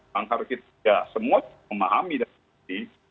semua kita memahami dan mengerti